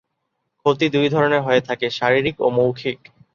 ক্ষতি দুই ধরনের হয়ে থাকে- শারিরীক ও মৌখিক।